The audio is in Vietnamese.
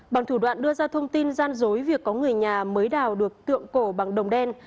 bằng thủ đoạn đưa ra thông tin gian dối việc có người nhà mới đào được tượng cổ bằng đồng đen